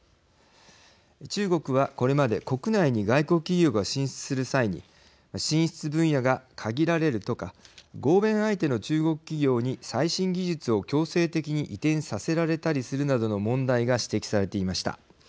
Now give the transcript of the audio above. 中国は、これまで国内に外国企業が進出する際に進出分野が限られるとか合弁相手の中国企業に最新技術を強制的に移転させられたりするなどの問題が指摘されていました。